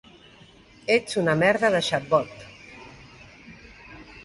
Ets una merda de xatbot.